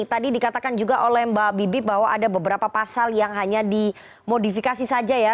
tadi dikatakan juga oleh mbak bibip bahwa ada beberapa pasal yang hanya dimodifikasi saja ya